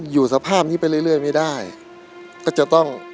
อยู่สภาพนี้ไปเรื่อยไม่ได้ก็จะต้อง